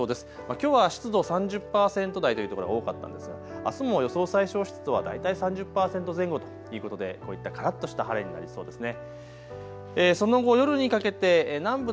きょうは湿度３０％台という所が多かったんですが、あすも予想最小湿度は大体３０％前後ということでこういったからっとした晴れになりそうですね。